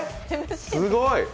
すごい！